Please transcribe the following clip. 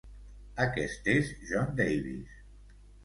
Aquest és Jon Davis.